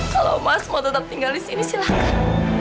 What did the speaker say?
kalau mas mau tetap tinggal disini silahkan